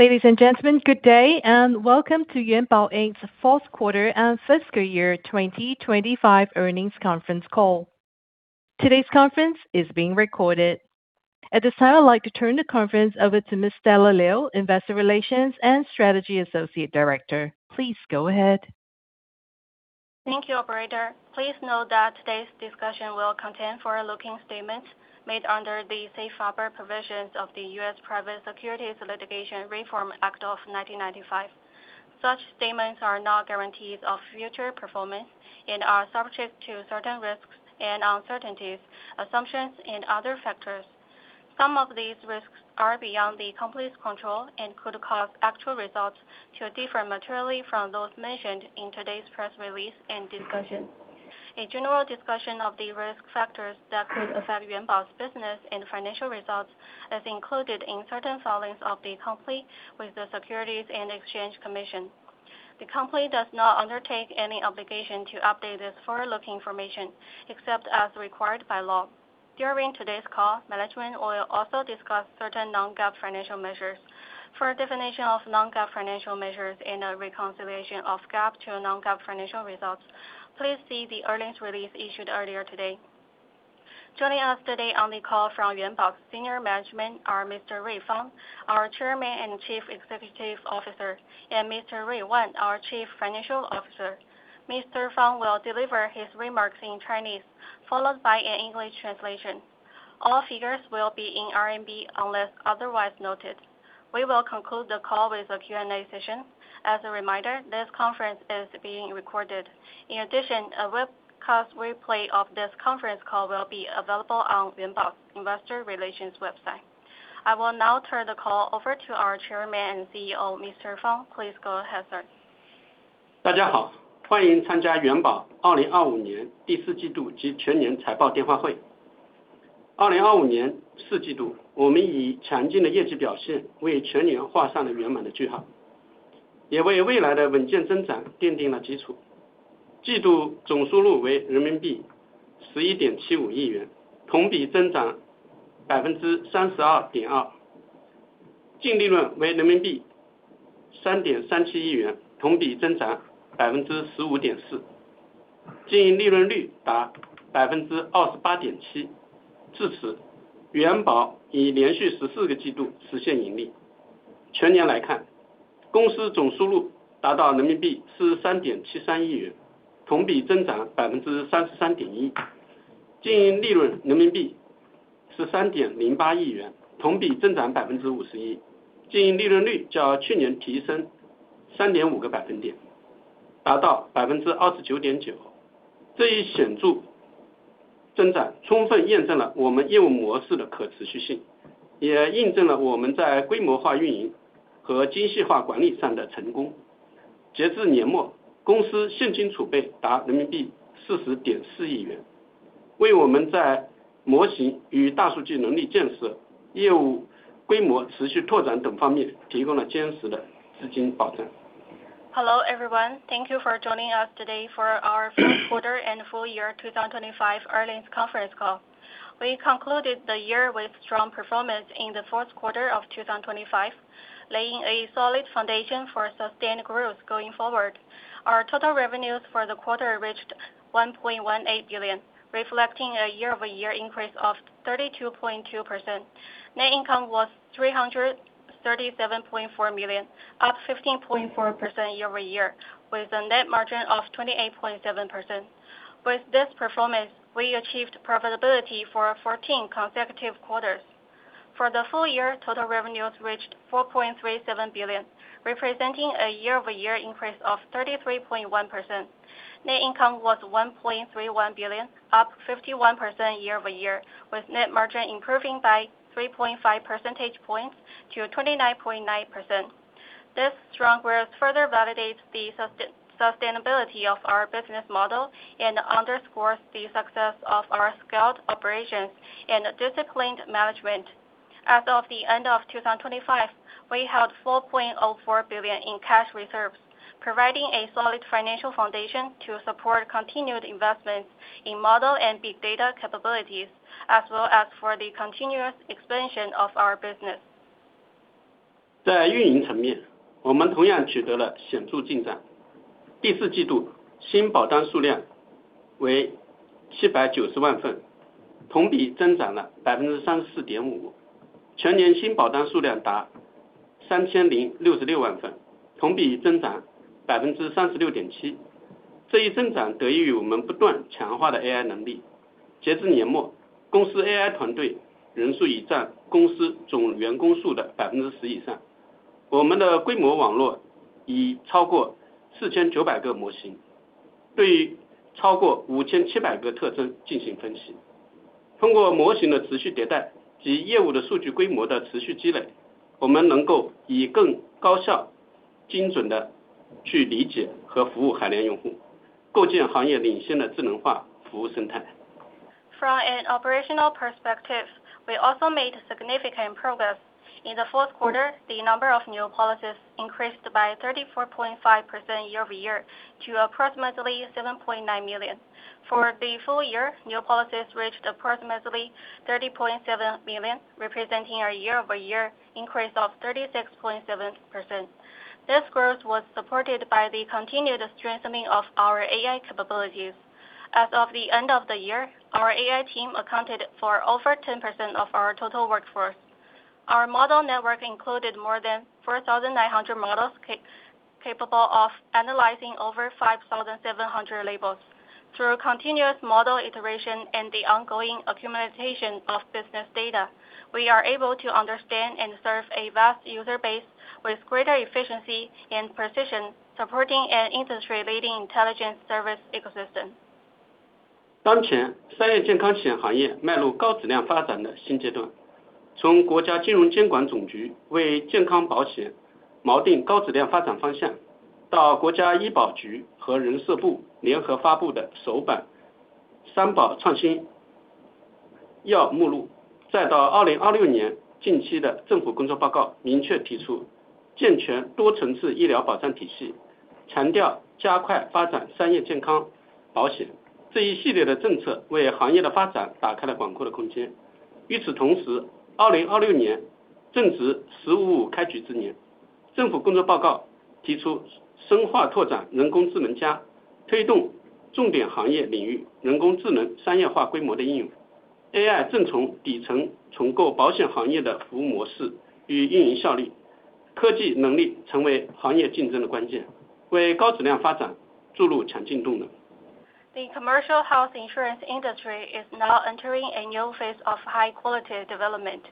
Ladies and gentlemen, good day, and welcome to Yuanbao Inc.'s fourth quarter and fiscal year 2025 earnings conference call. Today's conference is being recorded. At this time, I'd like to turn the conference over to Ms. Stella Liu, Investor Relations and Strategy Associate Director. Please go ahead. Thank you, operator. Please note that today's discussion will contain forward-looking statements made under the safe harbor provisions of the U.S. Private Securities Litigation Reform Act of 1995. Such statements are not guarantees of future performance and are subject to certain risks and uncertainties, assumptions, and other factors. Some of these risks are beyond the company's control and could cause actual results to differ materially from those mentioned in today's press release and discussion. A general discussion of the risk factors that could affect Yuanbao's business and financial results is included in certain filings of the company with the Securities and Exchange Commission. The company does not undertake any obligation to update this forward-looking information except as required by law. During today's call, management will also discuss certain non-GAAP financial measures. For a definition of non-GAAP financial measures and a reconciliation of GAAP to non-GAAP financial results, please see the earnings release issued earlier today. Joining us today on the call from Yuanbao's senior management are Mr. Rui Fang, our Chairman and Chief Executive Officer, and Mr. Huirui Wan, our Chief Financial Officer. Mr. Fang will deliver his remarks in Chinese, followed by an English translation. All figures will be in RMB unless otherwise noted. We will conclude the call with a Q&A session. As a reminder, this conference is being recorded. In addition, a webcast replay of this conference call will be available on Yuanbao's investor relations website. I will now turn the call over to our Chairman and CEO, Mr. Fang. Please go ahead, sir. Hello, everyone. Thank you for joining us today for our fourth quarter and full year 2025 earnings conference call. We concluded the year with strong performance in the fourth quarter of 2025, laying a solid foundation for sustained growth going forward. Our total revenues for the quarter reached 1.18 billion, reflecting a year-over-year increase of 32.2%. Net income was 337.4 million, up 15.4% year-over-year, with a net margin of 28.7%. With this performance, we achieved profitability for 14 consecutive quarters. For the full year, total revenues reached 4.37 billion, representing a year-over-year increase of 33.1%. Net income was 1.31 billion, up 51% year-over-year, with net margin improving by 3.5 percentage points to 29.9%. This strong growth further validates the sustainability of our business model and underscores the success of our scaled operations and disciplined management. As of the end of 2025, we held 4.04 billion in cash reserves, providing a solid financial foundation to support continued investments in model and big data capabilities, as well as for the continuous expansion of our business. From an operational perspective, we also made significant progress. In the fourth quarter, the number of new policies increased by 34.5% year-over-year to approximately 7.9 million. For the full year, new policies reached approximately 30.7 million, representing a year-over-year increase of 36.7%. This growth was supported by the continued strengthening of our AI capabilities. As of the end of the year, our AI team accounted for over 10% of our total workforce. Our model network included more than 4,900 models capable of analyzing over 5,700 labels. Through continuous model iteration and the ongoing accumulation of business data, we are able to understand and serve a vast user base with greater efficiency and precision, supporting an industry-leading intelligence service ecosystem. The commercial health insurance industry is now entering a new phase of high quality development.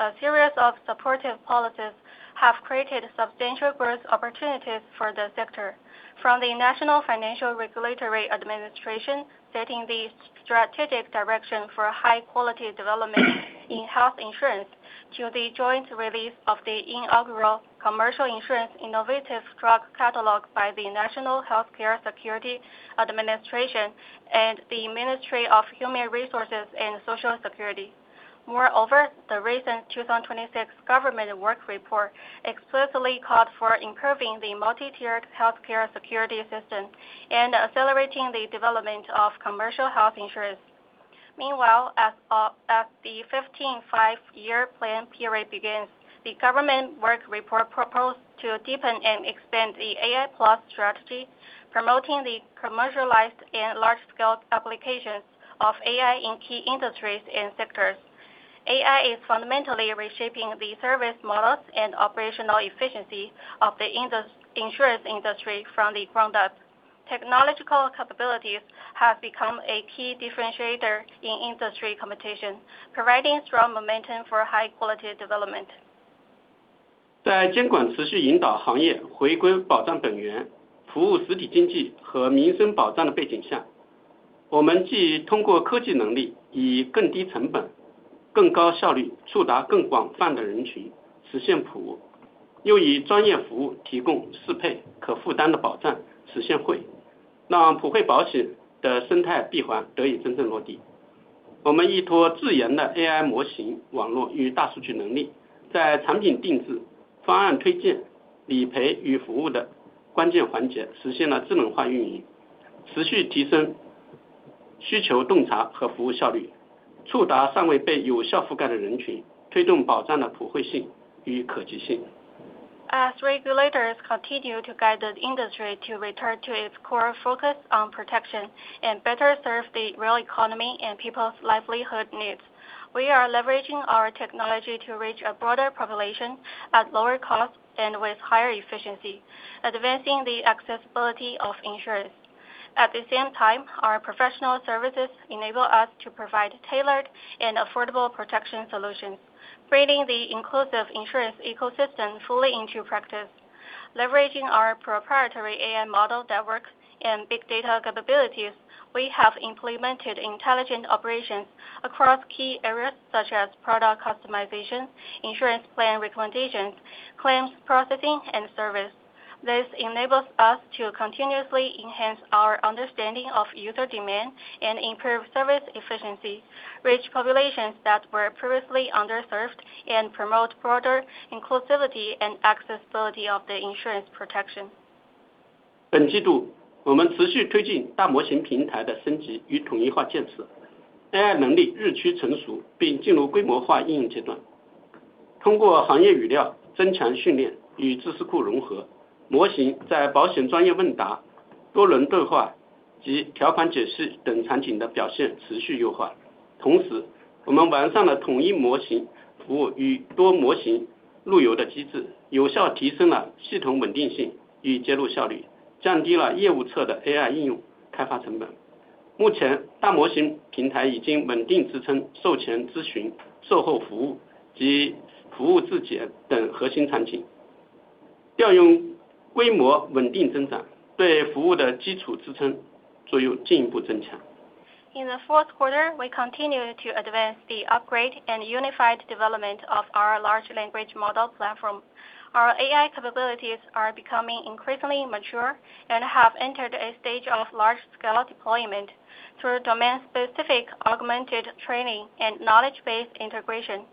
A series of supportive policies have created substantial growth opportunities for the sector. From the National Financial Regulatory Administration, setting the strategic direction for high quality development in health insurance to the joint release of the Inaugural Commercial Insurance Innovative Drug Catalog by the National Healthcare Security Administration and the Ministry of Human Resources and Social Security. Moreover, the recent 2026 government work report explicitly called for improving the multi-tiered healthcare security system and accelerating the development of commercial health insurance. Meanwhile, as as the 15th Five-Year Plan period begins, the government work report proposed to deepen and expand the AI Plus strategy, promoting the commercialized and large-scale applications of AI in key industries and sectors. AI is fundamentally reshaping the service models and operational efficiency of the insurance industry from the ground up. Technological capabilities have become a key differentiator in industry competition, providing strong momentum for high quality development. As regulators continue to guide the industry to return to its core focus on protection and better serve the real economy and people's livelihood needs, we are leveraging our technology to reach a broader population at lower cost and with higher efficiency, advancing the accessibility of insurance. At the same time, our professional services enable us to provide tailored and affordable protection solutions, bringing the inclusive insurance ecosystem fully into practice. Leveraging our proprietary AI model that works in big data capabilities, we have implemented intelligent operations across key areas such as product customization, insurance plan recommendations, claims processing, and service. This enables us to continuously enhance our understanding of user demand and improve service efficiency, reach populations that were previously underserved, and promote broader inclusivity and accessibility of the insurance protection. In the fourth quarter, we continued to advance the upgrade and unified development of our large language model platform. Our AI capabilities are becoming increasingly mature and have entered a stage of large-scale deployment through domain-specific augmented training and knowledge-based integration.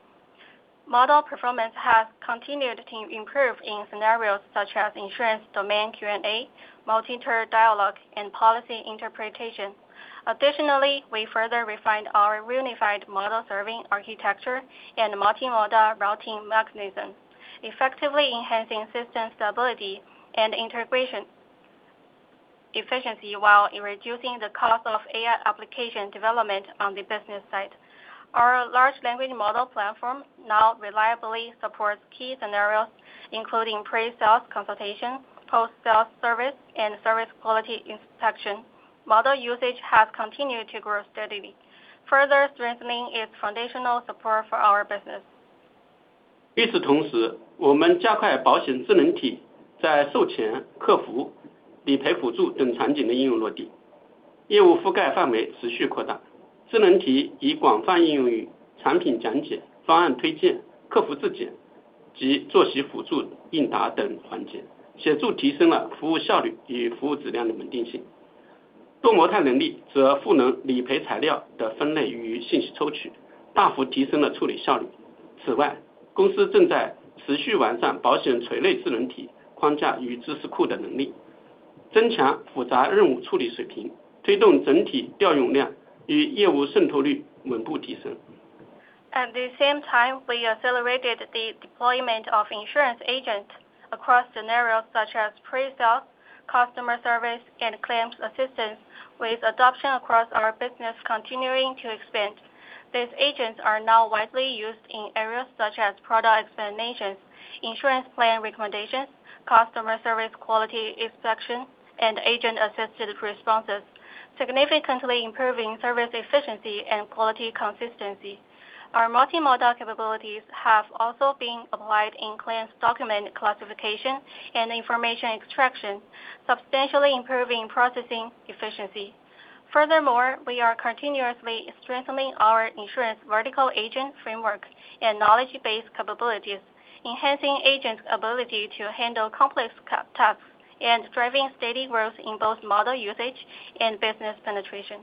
Model performance has continued to improve in scenarios such as insurance domain Q&A, multi-turn dialogue, and policy interpretation. Additionally, we further refined our unified model serving architecture and multi-model routing mechanism, effectively enhancing system stability and integration efficiency while reducing the cost of AI application development on the business side. Our large language model platform now reliably supports key scenarios, including pre-sales consultation, post-sales service, and service quality inspection. Model usage has continued to grow steadily, further strengthening its foundational support for our business. At the same time, we accelerated the deployment of insurance agent across scenarios such as pre-sales, customer service, and claims assistance with adoption across our business continuing to expand. These agents are now widely used in areas such as product explanations, insurance plan recommendations, customer service quality inspection, and agent-assisted responses, significantly improving service efficiency and quality consistency. Our multimodal capabilities have also been applied in claims document classification and information extraction, substantially improving processing efficiency. Furthermore, we are continuously strengthening our insurance vertical agent framework and knowledge-based capabilities, enhancing agents' ability to handle complex tasks, and driving steady growth in both model usage and business penetration.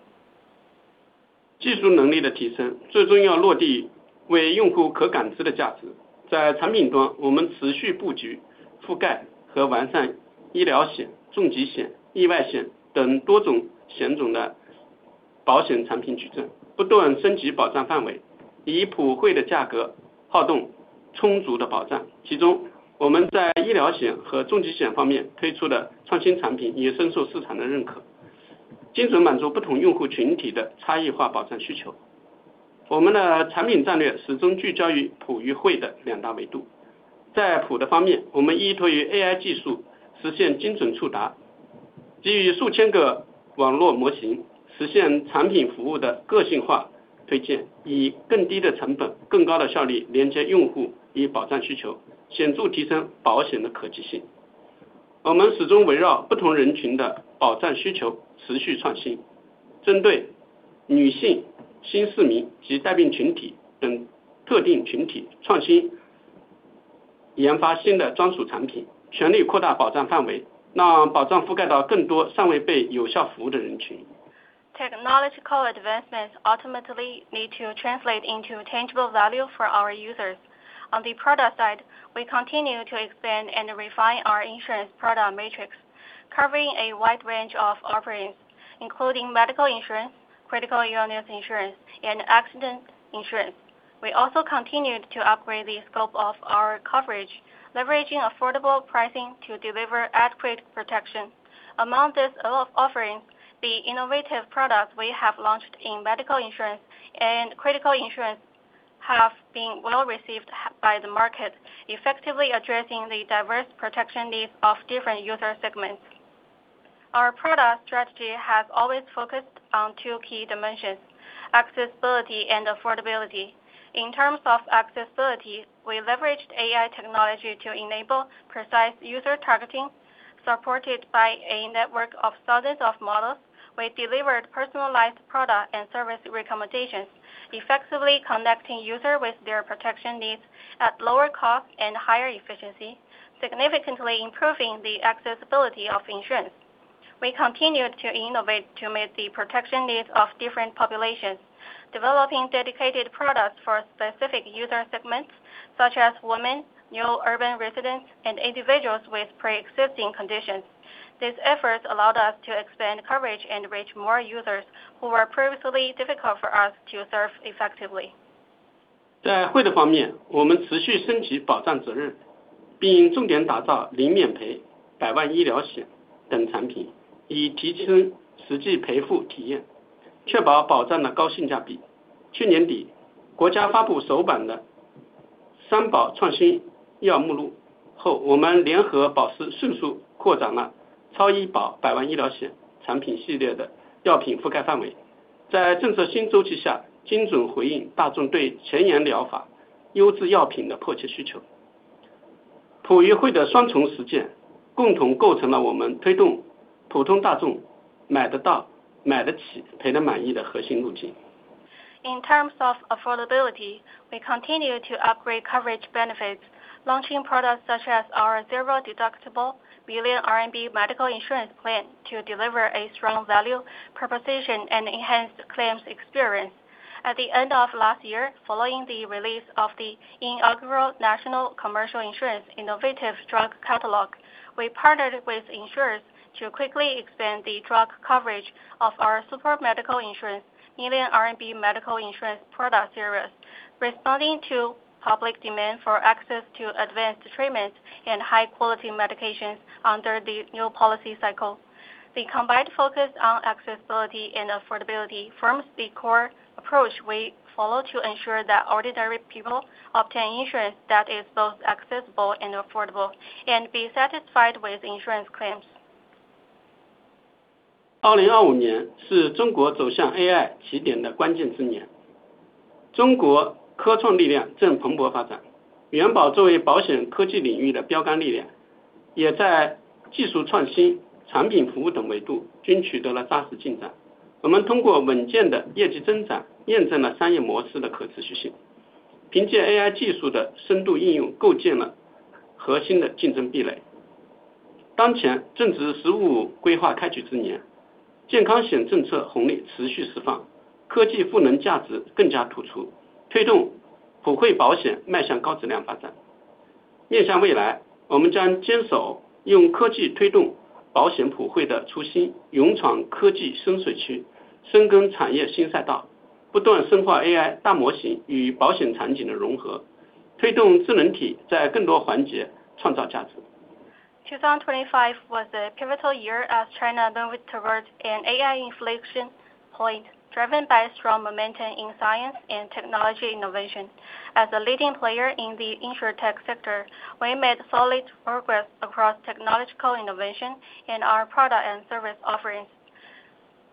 Technological advancements ultimately need to translate into tangible value for our users. On the product side, we continue to expand and refine our insurance product matrix, covering a wide range of offerings, including medical insurance, critical illness insurance, and accident insurance. We also continued to upgrade the scope of our coverage, leveraging affordable pricing to deliver adequate protection. Among these offerings, the innovative products we have launched in medical insurance and critical illness insurance have been well received by the market, effectively addressing the diverse protection needs of different user segments. Our product strategy has always focused on two key dimensions, accessibility and affordability. In terms of accessibility, we leveraged AI technology to enable precise user targeting, supported by a network of thousands of models. We delivered personalized product and service recommendations, effectively connecting users with their protection needs at lower cost and higher efficiency, significantly improving the accessibility of insurance. We continued to innovate to meet the protection needs of different populations, developing dedicated products for specific user segments such as women, new urban residents, and individuals with pre-existing conditions. This effort allowed us to expand coverage and reach more users who were previously difficult for us to serve effectively. 在惠的方面，我们持续升级保障责任，并重点打造零免赔百万医疗险等产品，以提升实际赔付体验，确保保障的高性价比。去年底，国家发布首版的商保创新药目录后，我们联合保司迅速扩展了超医保·百万医疗险产品系列的药品覆盖范围，在政策新周期下，精准回应大众对前沿疗法优质药品的迫切需求。普与惠的双重实践，共同构成了我们推动普通大众买得到、买得起、赔得满意的核心路径。In terms of affordability, we continue to upgrade coverage benefits, launching products such as our zero-deductible million RMB medical insurance plan to deliver a strong value proposition and enhanced claims experience. At the end of last year, following the release of the inaugural Commercial Insurance Innovative Drug Catalog, we partnered with insurers to quickly expand the drug coverage of our super medical insurance, million RMB medical insurance product series, responding to public demand for access to advanced treatments and high quality medications under the new policy cycle. The combined focus on accessibility and affordability forms the core approach we follow to ensure that ordinary people obtain insurance that is both accessible and affordable, and be satisfied with insurance claims. 2025 was a pivotal year as China moved towards an AI inflection point, driven by strong momentum in science and technology innovation. As a leading player in the InsurTech sector, we made solid progress across technological innovation in our product and service offerings.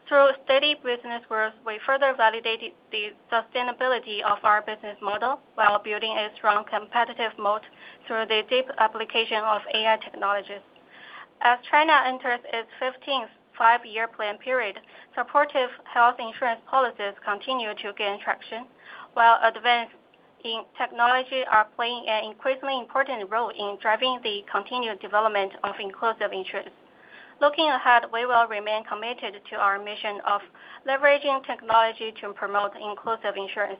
Through steady business growth, we further validated the sustainability of our business model while building a strong competitive moat through the deep application of AI technologies. As China enters its 15th Five-Year Plan period, supportive health insurance policies continue to gain traction, while advancements in technology are playing an increasingly important role in driving the continued development of inclusive insurance. Looking ahead, we will remain committed to our mission of leveraging technology to promote inclusive insurance.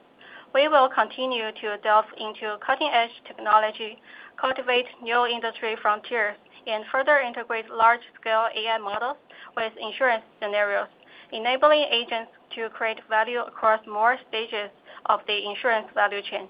We will continue to delve into cutting-edge technology, cultivate new industry frontier, and further integrate large-scale AI models with insurance scenarios, enabling agents to create value across more stages of the insurance value chain.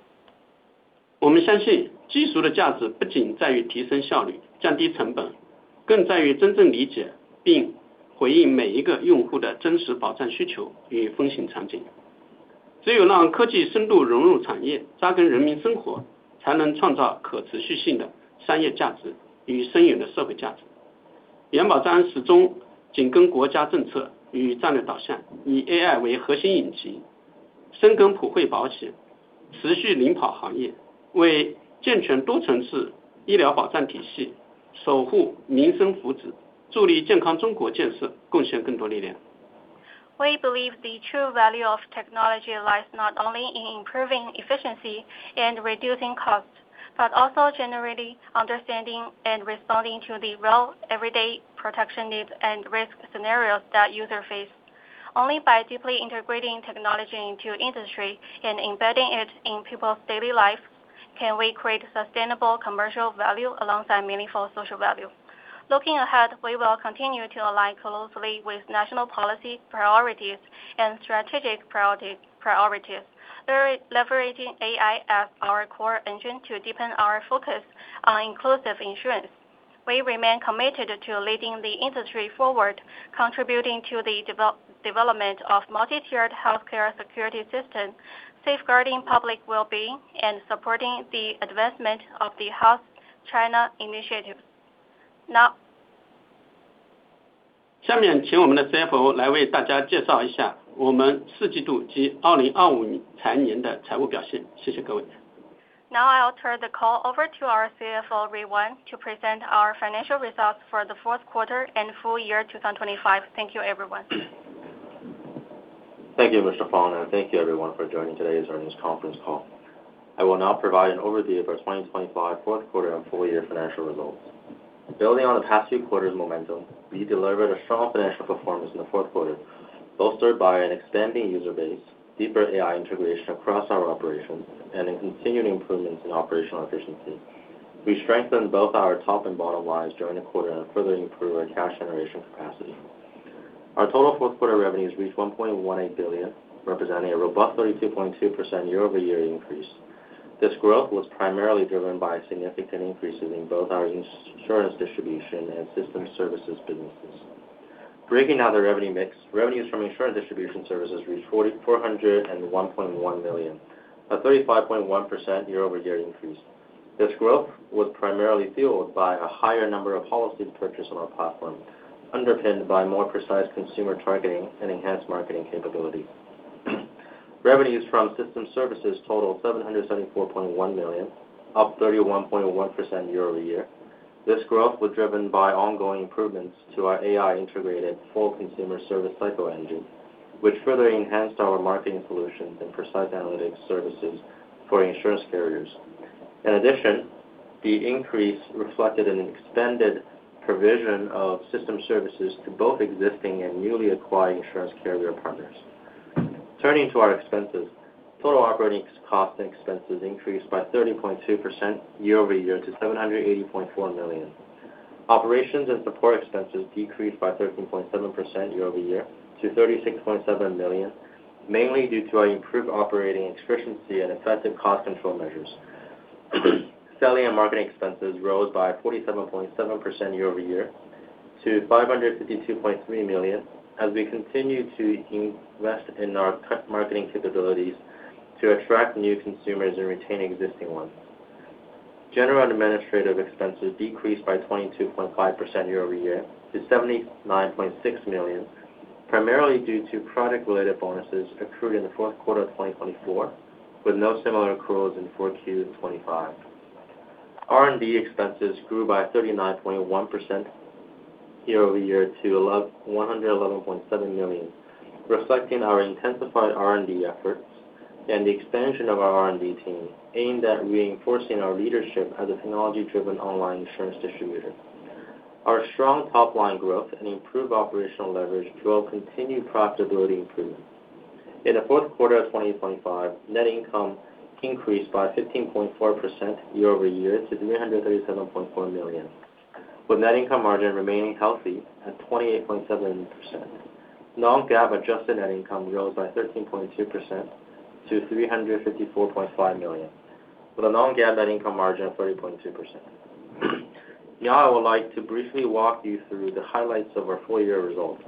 We believe the true value of technology lies not only in improving efficiency and reducing costs, but also generally understanding and responding to the real everyday protection needs and risk scenarios that users face. Only by deeply integrating technology into industry and embedding it in people's daily life can we create sustainable commercial value alongside meaningful social value. Looking ahead, we will continue to align closely with national policy priorities and strategic priorities. Through leveraging AI as our core engine to deepen our focus on inclusive insurance, we remain committed to leading the industry forward, contributing to the development of multi-tiered healthcare security system, safeguarding public wellbeing, and supporting the advancement of the Healthy China 2030. Now I'll turn the call over to our CFO, Huirui Wan, to present our financial results for the fourth quarter and full year 2025. Thank you everyone. Thank you, Mr. Rui Fang, and thank you everyone for joining today's earnings conference call. I will now provide an overview of our 2025 fourth quarter and full year financial results. Building on the past two quarters' momentum, we delivered a strong financial performance in the fourth quarter, bolstered by an expanding user base, deeper AI integration across our operations, and continuing improvements in operational efficiency. We strengthened both our top and bottom lines during the quarter and further improved our cash generation capacity. Our total fourth quarter revenues reached 1.18 billion, representing a robust 32.2% year-over-year increase. This growth was primarily driven by significant increases in both our insurance distribution and system services businesses. Breaking down the revenue mix, revenues from insurance distribution services reached 4,401.1 million, a 35.1% year-over-year increase. This growth was primarily fueled by a higher number of policies purchased on our platform, underpinned by more precise consumer targeting and enhanced marketing capability. Revenues from system services totaled 774.1 million, up 31.1% year-over-year. This growth was driven by ongoing improvements to our AI integrated full consumer service cycle engine, which further enhanced our marketing solutions and precise analytics services for insurance carriers. In addition, the increase reflected an extended provision of system services to both existing and newly acquired insurance carrier partners. Turning to our expenses. Total operating costs and expenses increased by 30.2% year-over-year to 780.4 million. Operations and support expenses decreased by 13.7% year-over-year to 36.7 million, mainly due to our improved operating efficiency and effective cost control measures. Selling and marketing expenses rose by 47.7% year-over-year to 552.3 million as we continue to invest in our marketing capabilities to attract new consumers and retain existing ones. General and administrative expenses decreased by 22.5% year-over-year to 79.6 million, primarily due to product-related bonuses accrued in the fourth quarter of 2024, with no similar accruals in 4Q 2025. R&D expenses grew by 39.1% year-over-year to 111.7 million, reflecting our intensified R&D efforts and the expansion of our R&D team aimed at reinforcing our leadership as a technology-driven online insurance distributor. Our strong top-line growth and improved operational leverage drove continued profitability improvement. In the fourth quarter of 2025, net income increased by 15.4% year-over-year to 337.4 million, with net income margin remaining healthy at 28.7%. Non-GAAP adjusted net income rose by 13.2% to 354.5 million, with a non-GAAP net income margin of 30.2%. Now I would like to briefly walk you through the highlights of our full year results.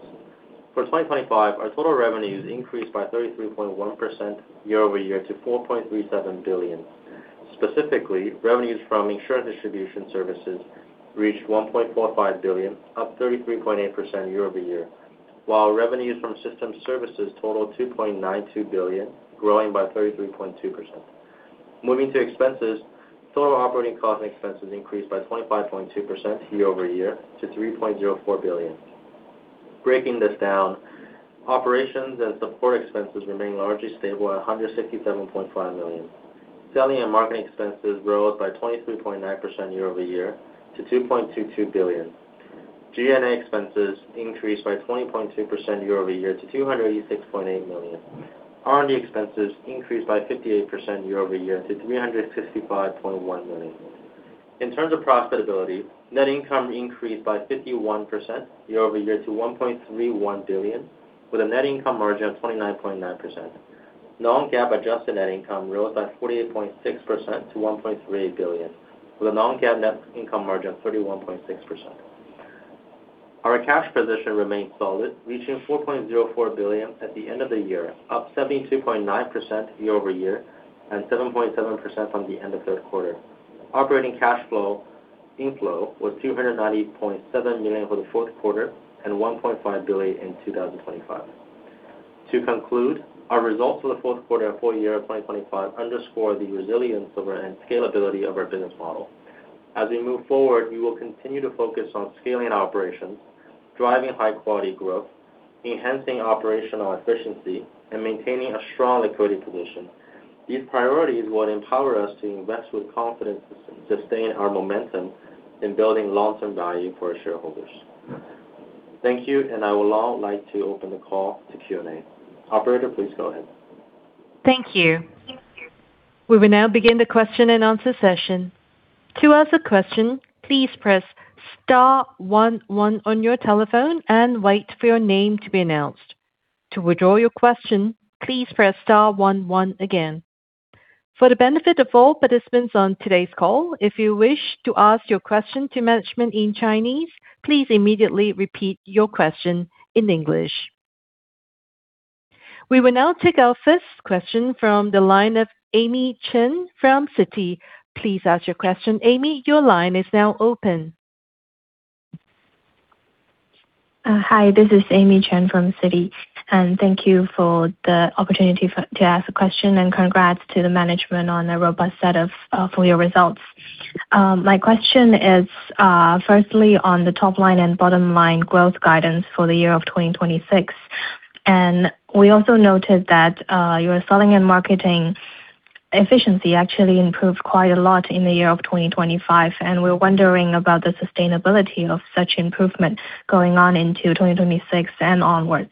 For 2025, our total revenues increased by 33.1% year-over-year to 4.37 billion. Specifically, revenues from insurance distribution services reached 1.45 billion, up 33.8% year-over-year, while revenues from system services totaled 2.92 billion growing by 33.2%. Moving to expenses, total operating costs and expenses increased by 25.2% year-over-year to RMB 3.04 billion. Breaking this down, operations and support expenses remain largely stable at 167.5 million. Selling and marketing expenses rose by 23.9% year-over-year to 2.22 billion. G&A expenses increased by 20.2% year-over-year to 286.8 million. R&D expenses increased by 58% year-over-year to 365.1 million. In terms of profitability, net income increased by 51% year-over-year to 1.31 billion, with a net income margin of 29.9%. Non-GAAP adjusted net income rose by 48.6% to 1.3 billion, with a non-GAAP net income margin of 31.6%. Our cash position remained solid, reaching 4.04 billion at the end of the year, up 72.9% year-over-year and 7.7% from the end of third quarter. Operating cash flow inflow was 290.7 million for the fourth quarter and 1.5 billion in 2025. To conclude, our results for the fourth quarter and full year of 2025 underscore the resilience and scalability of our business model. As we move forward, we will continue to focus on scaling operations, driving high quality growth, enhancing operational efficiency, and maintaining a strong liquidity position. These priorities will empower us to invest with confidence to sustain our momentum in building long-term value for our shareholders. Thank you. I would now like to open the call to Q&A. Operator, please go ahead. Thank you. We will now begin the question-and-answer session. To ask a question, please press star one one on your telephone and wait for your name to be announced. To withdraw your question, please press star one one again. For the benefit of all participants on today's call, if you wish to ask your question to management in Chinese, please immediately repeat your question in English. We will now take our first question from the line of Amy Chen from Citi. Please ask your question. Amy, your line is now open. Hi, this is Amy Chen from Citi, and thank you for the opportunity to ask a question. Congrats to the management on a robust set of full year results. My question is firstly on the top line and bottom line growth guidance for the year of 2026. We also noted that your selling and marketing efficiency actually improved quite a lot in the year of 2025. We're wondering about the sustainability of such improvement going on into 2026 and onwards.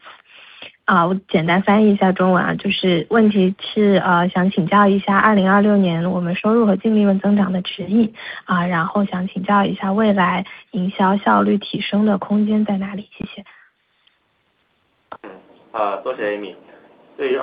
Amy.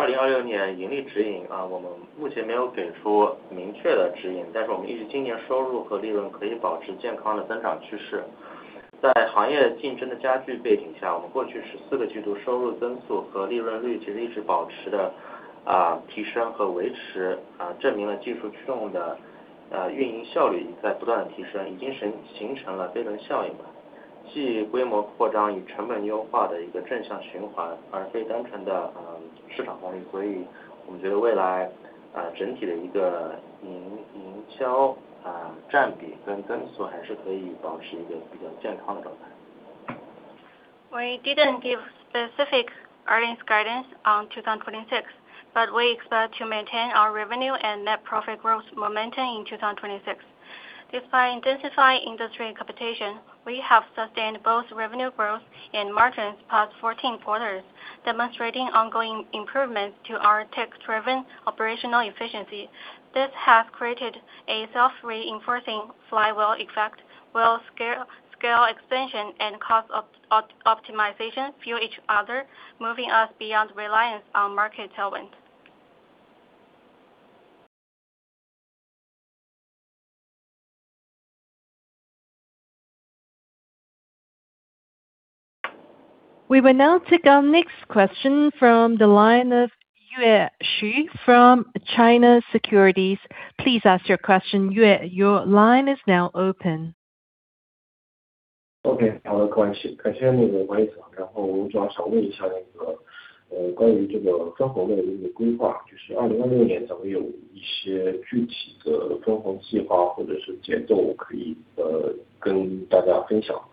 We didn't give specific earnings guidance on 2026, but we expect to maintain our revenue and net profit growth momentum in 2026. Despite intensifying industry competition, we have sustained both revenue growth and margins for 14 quarters, demonstrating ongoing improvements to our tech-driven operational efficiency. This has created a self-reinforcing flywheel effect where scale expansion and cost optimization fuel each other, moving us beyond reliance on market tailwinds. We will now take our next question from the line of Yue Xu from China Securities. Please ask your question. Yue, your line is now open. Okay。好了，然后我主要想问一下那个，关于这个分红的那个规划，就是2026年咱们有一些具体的分红计划或者是节奏可以，跟大家分享。Regarding the dividend plans, do you have a specific plan or timeline for dividends in the coming year? Thank you for the question. Thank you for the chance of the question.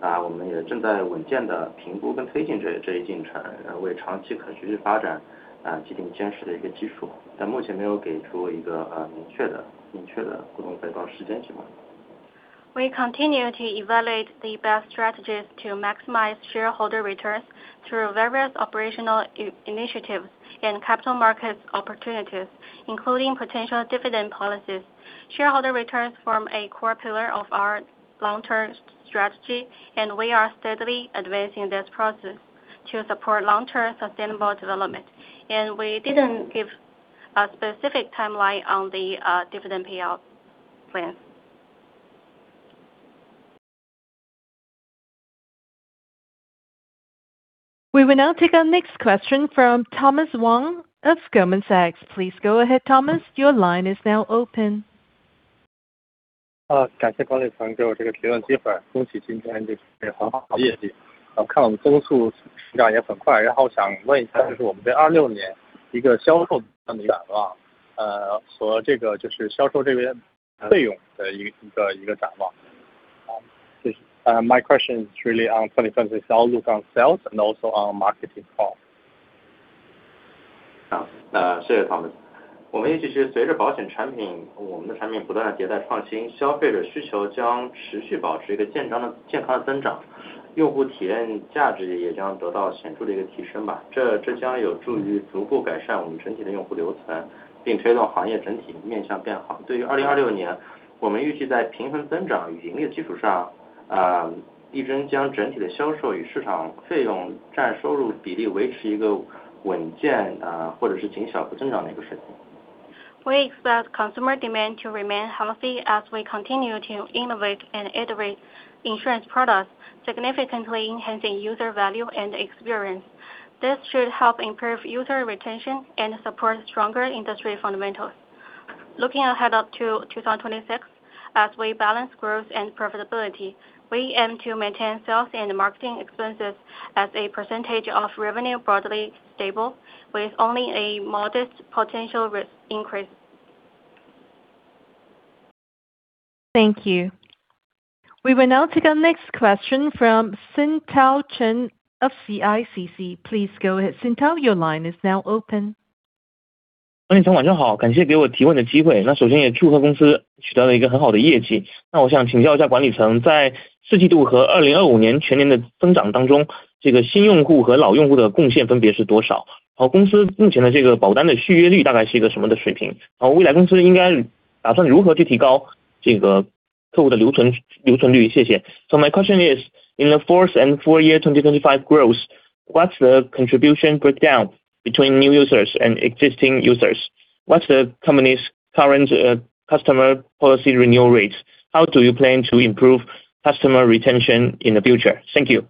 We continue to evaluate the best strategies to maximize shareholder returns through various operational initiatives and capital markets opportunities, including potential dividend policies. Shareholder returns form a core pillar of our long-term strategy, and we are steadily advancing this process to support long-term sustainable development. We didn't give a specific timeline on the dividend payout plan. We will now take our next question from Thomas Wang of Goldman Sachs. Please go ahead, Thomas. Your line is now open. 感谢管理层给我这个提问机会。恭喜今天这个很好的业绩，看我们增速实际上也很快。然后想问一下，就是我们在2026年一个销售的展望，和这个就是销售这边费用的一个展望。好，谢谢。My question is really on 2026 outlook on sales and also on marketing cost. 谢谢 Thomas。我们预计随着保险产品不断地迭代创新，消费者需求将持续保持一个健康的增长，用户体验价值也将得到显著的提升。这将有助于逐步改善我们整体的用户留存，并推动行业整体面向变好。对于 2026 年，我们预计在平衡增长与盈利的基础上，依然将整体的销售与市场费用占收入比例维持一个稳健，或者是仅小幅增长的水平。We expect customer demand to remain healthy as we continue to innovate and iterate insurance products, significantly enhancing user value and experience. This should help improve user retention and support stronger industry fundamentals. Looking ahead up to 2026, as we balance growth and profitability, we aim to maintain sales and marketing expenses as a percentage of revenue broadly stable, with only a modest potential re-increase. Thank you. We will now take our next question from Xintao Chen of CICC. Please go ahead. Xintao, your line is now open. 管理层晚上好，感谢给我提问的机会。首先也祝贺公司取得了一个很好的业绩。那我想请教一下管理层，在四季度和2025年全年的增长当中，这个新用户和老用户的贡献分别是多少？和公司目前的这个保单的续保率大概是一个什么样的水平？和未来公司应该打算如何去提高这个客户的留存率？谢谢。So my question is, in the fourth and full year 2025 growth, what's the contribution breakdown between new users and existing users? What's the company's current customer policy renewal rates? How do you plan to improve customer retention in the future? Thank you.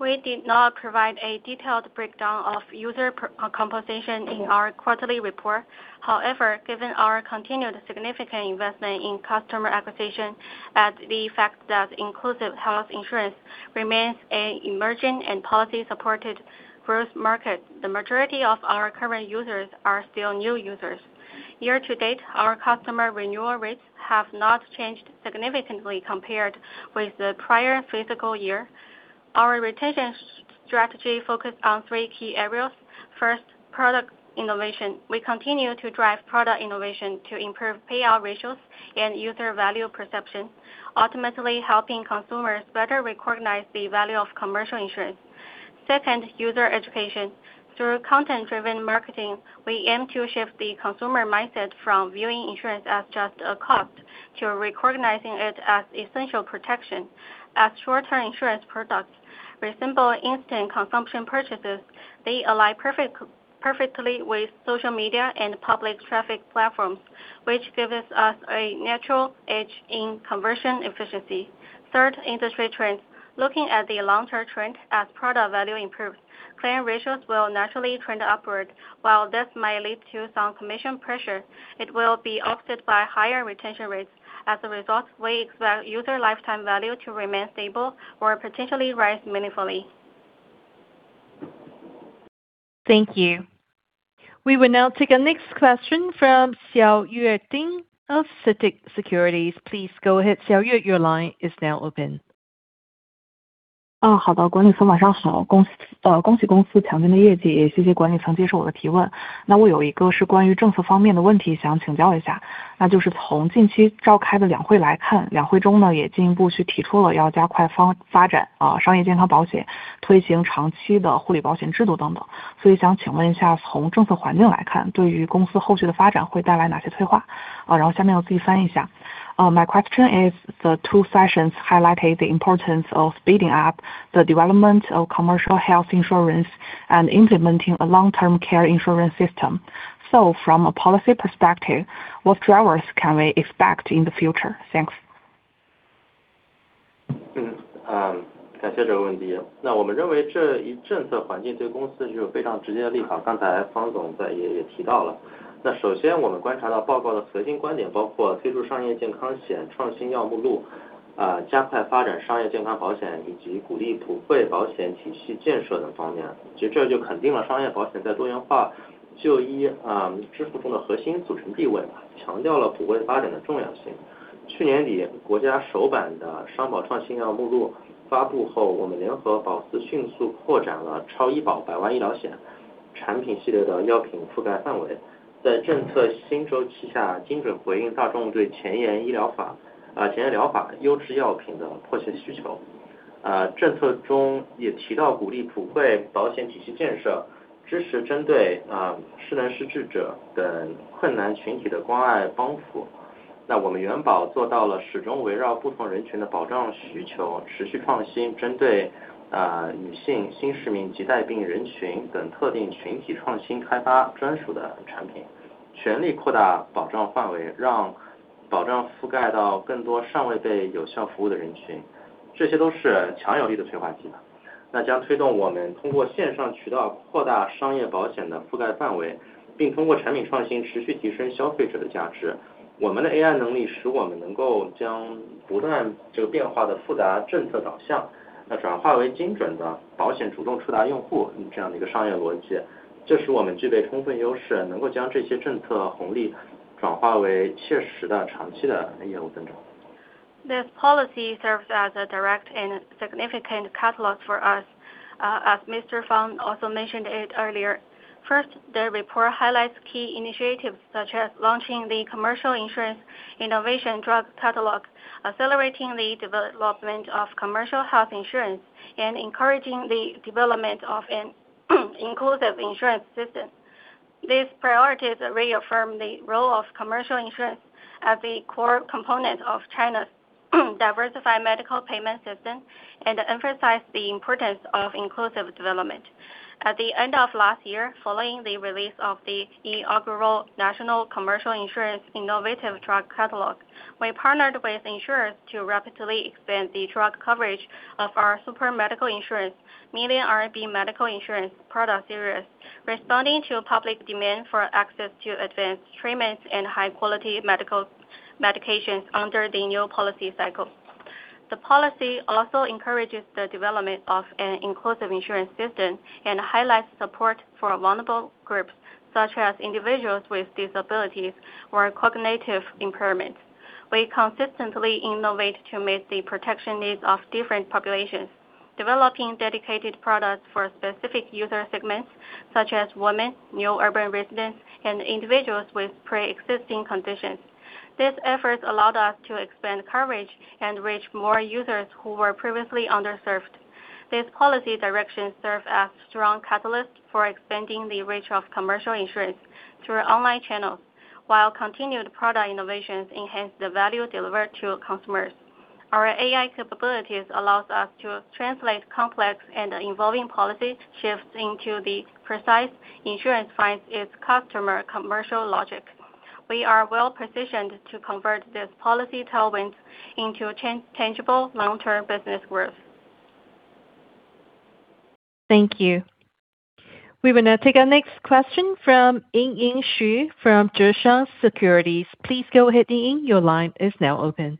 We did not provide a detailed breakdown of user composition in our quarterly report. However, given our continued significant investment in customer acquisition and the fact that inclusive health insurance remains an emerging and policy-supported growth market, the majority of our current users are still new users. Year to date, our customer renewal rates have not changed significantly compared with the prior fiscal year. Our retention strategy focus on three key areas. First, product innovation, we continue to drive product innovation to improve payout ratios and user value perception, ultimately helping consumers better recognize the value of commercial insurance. Second, user education. Through content-driven marketing, we aim to shift the consumer mindset from viewing insurance as just a cost to recognizing it as essential protection. As short-term insurance products resemble instant consumption purchases, they align perfectly with social media and public traffic platforms, which gives us a natural edge in conversion efficiency. Third, industry trends. Looking at the long-term trend as product value improves, claim ratios will naturally trend upward. While this may lead to some commission pressure, it will be offset by higher retention rates. As a result, we expect user lifetime value to remain stable or potentially rise meaningfully. Thank you. We will now take our next question from Xiaoyue Ding of CITIC Securities. Please go ahead Xiaoyue, your line is now open. 好的，管理层晚上好。恭喜公司强劲的业绩。也谢谢管理层接受我的提问。那我有一个是关于政策方面的问题想请教一下，就是从近期召开的两会来看，两会中也进一步提出了要加快发展商业健康保险，推行长期护理保险制度等等。所以想请问一下，从政策环境来看，对于公司后续的发展会带来哪些催化？然后下面我自己翻译一下。My question is the two sessions highlighted the importance of speeding up the development of commercial health insurance and implementing a long-term care insurance system. So from a policy perspective, what drivers can we expect in the future? Thanks. This policy serves as a direct and significant catalyst for us, as Mr. Fang also mentioned it earlier. First, the report highlights key initiatives such as launching the Commercial Insurance Innovative Drug Catalog, accelerating the development of commercial health insurance, and encouraging the development of an inclusive insurance system. These priorities reaffirm the role of commercial insurance as a core component of China's diversified medical payment system, and emphasize the importance of inclusive development. At the end of last year, following the release of the inaugural Commercial Insurance Innovative Drug Catalog, we partnered with insurers to rapidly expand the drug coverage of our Super Medical Insurance Million-RMB Medical Insurance product series, responding to public demand for access to advanced treatments and high quality medical medications under the new policy cycle. The policy also encourages the development of an inclusive insurance system and highlights support for vulnerable groups such as individuals with disabilities or cognitive impairments. We consistently innovate to meet the protection needs of different populations, developing dedicated products for specific user segments such as women, new urban residents, and individuals with pre-existing conditions. These efforts allowed us to expand coverage and reach more users who were previously underserved. This policy direction serves as strong catalyst for expanding the reach of commercial insurance through online channels, while continued product innovations enhance the value delivered to customers. Our AI capabilities allows us to translate complex and evolving policy shifts into the precise insurance fits its customer commercial logic. We are well-positioned to convert this policy tailwind into tangible long-term business growth. Thank you. We will now take our next question from Yingying Xu from Zheshang Securities. Please go ahead, Yingying. Your line is now open.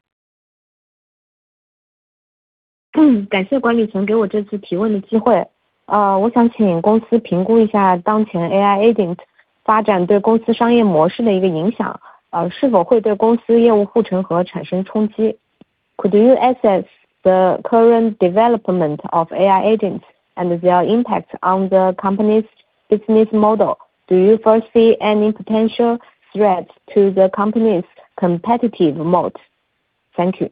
感谢管理层给我这次提问的机会。我想请公司评估一下当前AI agent发展对公司商业模式的一个影响，是否会对公司业务护城河产生冲击。Could you assess the current development of AI agent and their impact on the company's business model? Do you foresee any potential threats to the company's competitive moat? Thank you.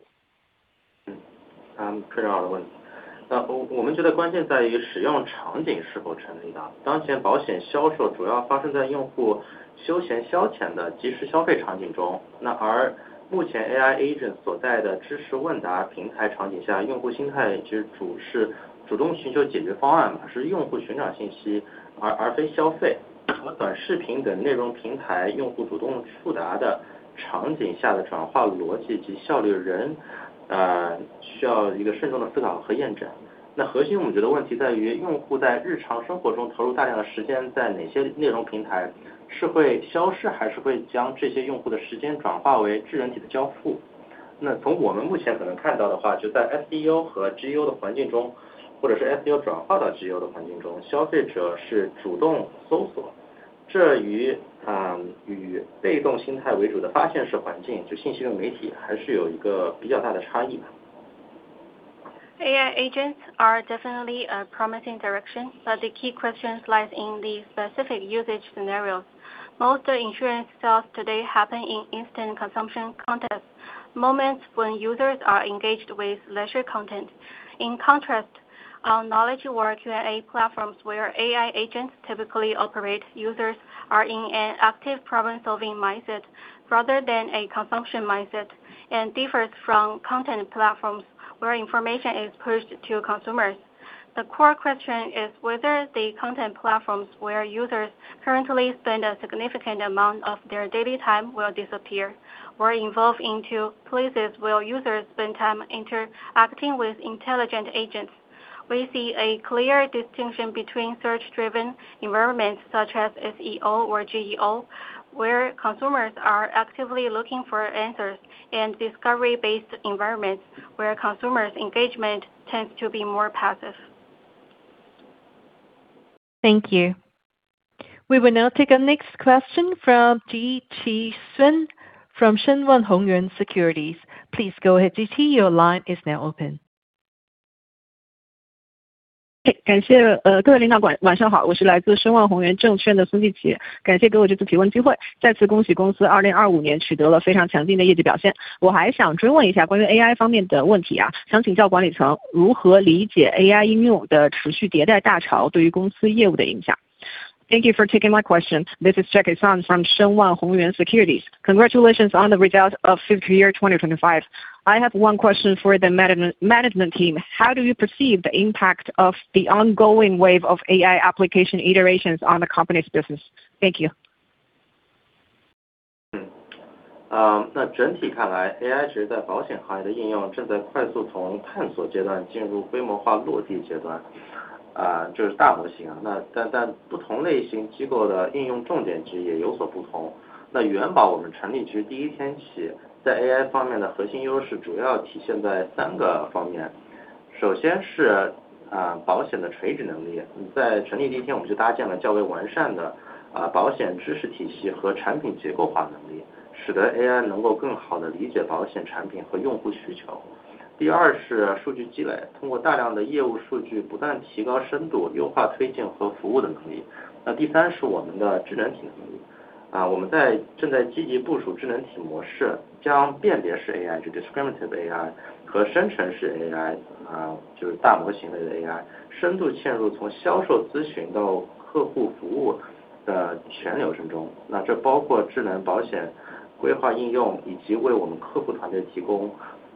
AI agents are definitely a promising direction, but the key questions lies in the specific usage scenarios. Most insurance sales today happen in instant consumption context, moments when users are engaged with leisure content. In contrast, on knowledge work, you have platforms where AI agents typically operate. Users are in an active problem-solving mindset rather than a consumption mindset, and differs from content platforms where information is pushed to consumers. The core question is whether the content platforms where users currently spend a significant amount of their daily time will disappear or evolve into places where users spend time interacting with intelligent agents. We see a clear distinction between search-driven environments such as SEO or GEO, where consumers are actively looking for answers and discovery-based environments where consumers' engagement tends to be more passive. Thank you. We will now take our next question from Jiqi Sun from Shenwan Hongyuan Securities. Pleasego ahead, Jiqi. Your line is now open. 嘿，感谢各位领导，晚上好，我是来自申万宏源证券的孙继起，感谢给我这次提问机会。再次恭喜公司二零二五年取得了非常强劲的业绩表现。我还想追问一下关于AI方面的问题啊，想请教管理层如何理解AI应用的持续迭代大潮对于公司业务的影响。Thank you for taking my question. This is Jackie Sun from Shenwan Hongyuan Securities. Congratulations on the results of fiscal year 2025. I have one question for the management team. How do you perceive the impact of the ongoing wave of AI application iterations on the company's business? Thank you.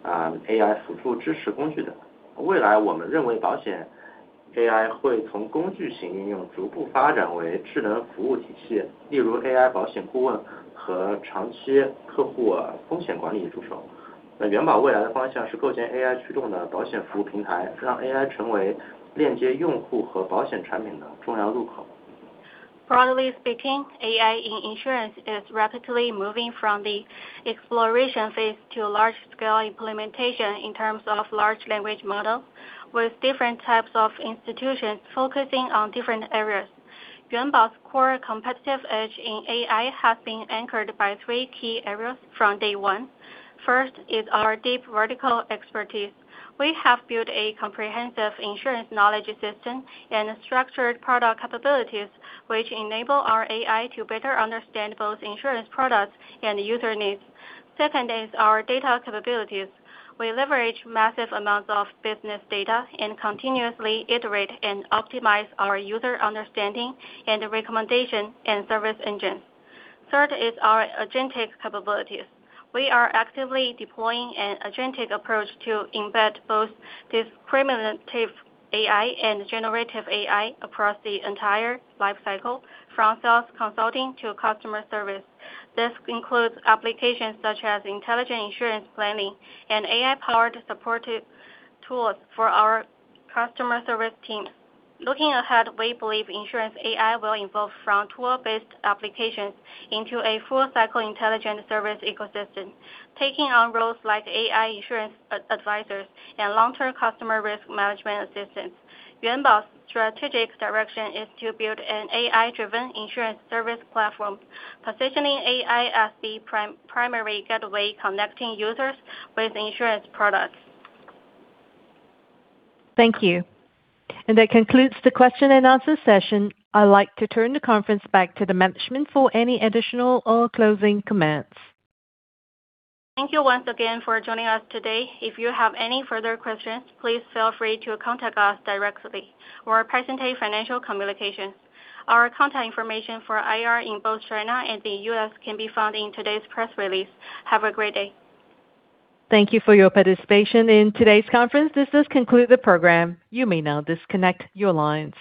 AI，和生成式AI，就是大模型类的AI，深度嵌入从销售咨询到客户服务的全流程中，那这包括智能保险规划应用，以及为我们客户团队提供AI辅助支持工具等。未来我们认为保险AI会从工具型应用逐步发展为智能服务体系，例如AI保险顾问和长期客户风险管理助手。元宝未来的方向是构建AI驱动的保险服务平台，让AI成为链接用户和保险产品的重要入口。Broadly speaking, AI in insurance is rapidly moving from the exploration phase to large-scale implementation in terms of large language model with different types of institutions focusing on different areas. Yuanbao's core competitive edge in AI has been anchored by three key areas from day one. First is our deep vertical expertise. We have built a comprehensive insurance knowledge system and structured product capabilities which enable our AI to better understand both insurance products and user needs. Second is our data capabilities. We leverage massive amounts of business data and continuously iterate and optimize our user understanding and recommendation and service engine. Third is our agentic capabilities. We are actively deploying an agentic approach to embed both discriminative AI and generative AI across the entire life cycle from sales consulting to customer service. This includes applications such as intelligent insurance planning and AI-powered supportive tools for our customer service team. Looking ahead, we believe insurance AI will evolve from tool-based applications into a full-cycle intelligent service ecosystem, taking on roles like AI insurance advisors and long-term customer risk management assistance. Yuanbao's strategic direction is to build an AI-driven insurance service platform, positioning AI as the primary gateway connecting users with insurance products. Thank you. That concludes the question and answer session. I'd like to turn the conference back to the management for any additional or closing comments. Thank you once again for joining us today. If you have any further questions, please feel free to contact us directly or Piacente Financial Communications. Our contact information for IR in both China and the U.S. can be found in today's press release. Have a great day. Thank you for your participation in today's conference. This does conclude the program. You may now disconnect your lines.